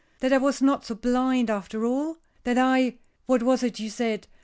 That I was not so blind after all. That I What was it you said?